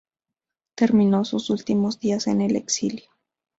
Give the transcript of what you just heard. Terminó sus últimos días en el exilio.